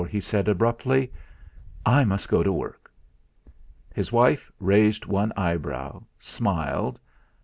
he said abruptly. "I must go to work!" His wife, raising one eyebrow, smiled.